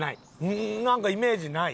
うーんなんかイメージない。